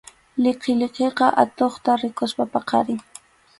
Liqiliqiqa atuqta rikuspas qaparin.